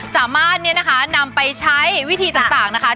สามารถเนี่ยนะคะนำไปใช้วิธีต่างนะคะ